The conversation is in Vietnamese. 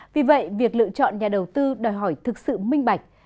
vì vậy việc lựa chọn nhà đầu tư đòi hỏi thực sự minh bạch